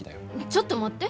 ちょっと待って。